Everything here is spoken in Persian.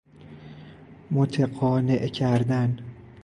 متقانع کردن